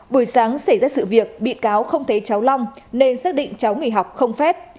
buổi sáng xảy ra sự việc bị cáo không thấy cháu long nên xác định cháu nghỉ học không phép